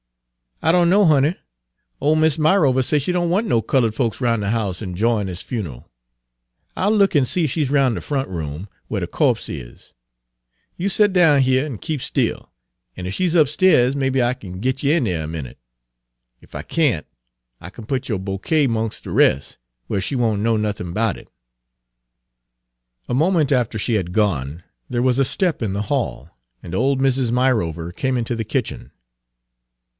"I don't know, honey. Ole Miss Myrover say she don't want no cullud folks roun' de house endyoin' dis fun'al. I'll look an' see if she 's roun' de front room, whar de co'pse is. You sed down heah an' keep still, an' ef she 's upstairs maybe I kin git yer in dere a minute. Ef I can't, I kin put yo' bokay 'mongs' de res', whar she won't know nuthin' erbout it." A moment after she had gone, there was a step in the hall, and old Mrs. Myrover came into the kitchen.